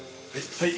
はい。